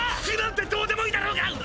服なんてどうでもいいだろうが！